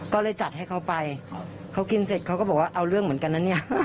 ก็เลยจัดให้เขาไปเขากินเสร็จเขาก็บอกว่าเอาเรื่องเหมือนกันนะเนี่ย